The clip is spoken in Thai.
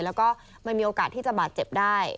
แล้วก็มันมีโอกาสที่จะบาดเจ็บได้